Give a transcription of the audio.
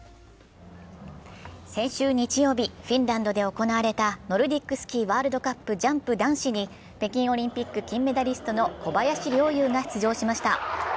先週日曜日、フィンランドで行われたノルディックスキーワールドカップジャンプ男子に北京オリンピック金メダリストの小林陵侑が出場しました。